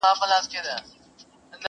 جواب دي راکړ خپل طالع مي ژړوینه!!